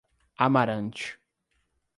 Amarante